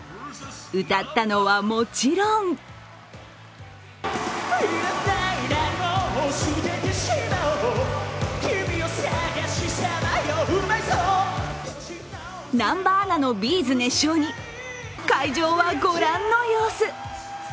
歌ったのは、もちろん南波アナのＢ’ｚ熱唱に会場はご覧の様子。